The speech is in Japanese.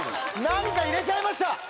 何か入れちゃいました。